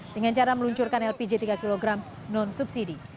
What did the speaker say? dengan cara meluncurkan lpg tiga kg non subsidi